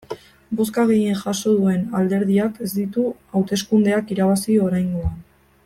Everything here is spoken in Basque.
Bozka gehien jaso duen alderdiak ez ditu hauteskundeak irabazi oraingoan.